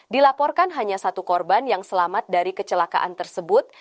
dilaporkan hanya satu korban yang selamat dari kecelakaan tersebut